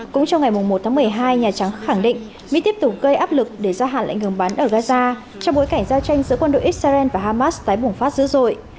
cũng trong ngày một tháng một mươi hai nhà trắng khẳng định mỹ tiếp tục gây áp lực để gia hạn lệnh ngừng bắn ở gaza trong bối cảnh giao tranh giữa quân đội israel và hamas tái bùng phát dữ dội